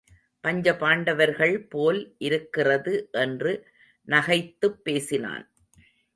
பஞ்சபாண்டவர்கள் போல் இருக்கிறது என்று நகைத்துப் பேசினான்.